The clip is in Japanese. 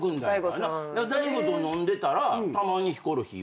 大悟と飲んでたらたまにヒコロヒーは。